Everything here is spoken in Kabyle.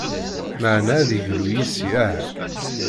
Meɛna ad yeglu yes-i ah!